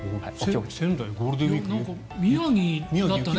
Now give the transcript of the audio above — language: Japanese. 仙台ゴールデンウィーク。